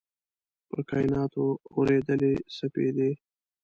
پر کایناتو اوريدلي سپیدې